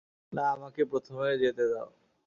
না, আমাকে প্রথমে যেতে দাও।